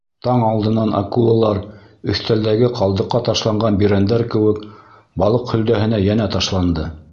Таң алдынан акулалар, өҫтәлдәге ҡалдыҡҡа ташланған бирәндәр кеүек, балыҡ һөлдәһенә йәнә ташланды.